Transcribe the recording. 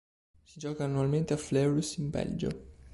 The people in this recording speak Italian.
Si gioca annualmente a Fleurus in Belgio.